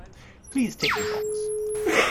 Please tick the box